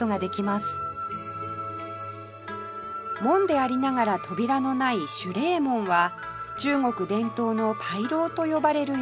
門でありながら扉のない守礼門は中国伝統の牌楼と呼ばれる様式